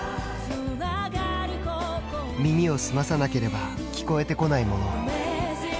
耳を澄まさなければ聞こえてこないもの。